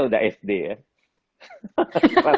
sudah sd ya